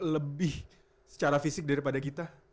lebih secara fisik daripada kita